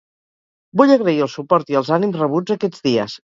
Vull agrair el suport i els ànims rebuts aquests dies.